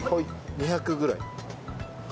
２００ぐらい。